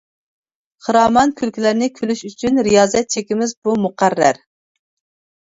خىرامان كۈلكىلەرنى كۈلۈش ئۈچۈن رىيازەت چېكىمىز بۇ مۇقەررەر.